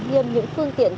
thêm những phương tiện